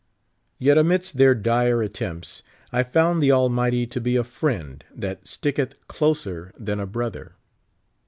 Yet amidst tlieir dire attempts, I found the Almighty to be '* a friend that sticketh closer than a brother."